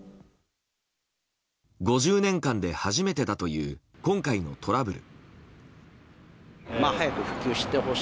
５０年間で初めてだという今回のトラブル。